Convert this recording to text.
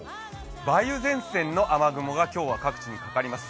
梅雨前線の雨雲が今日は各地にかかります。